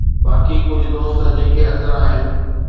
باقي ڪجهه دوست جيڪي اندر آهن